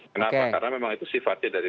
kenapa karena memang itu sifatnya dari